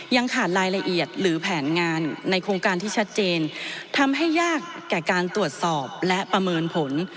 ยังขาดรายละเอียดหรือแผนงานในโครงการที่ชัดเจนทำให้ยากแก่การตรวจสอบและประเมินผล